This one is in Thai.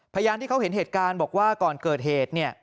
พยานที่เขาเห็นเหตุการณ์บอกว่าก่อนเกิดเหตุ